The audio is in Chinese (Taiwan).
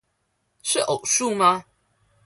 是偶數嗎